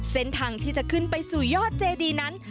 เส้นทางที่จะขึ้นไปสู่ยอดเจดีนั้น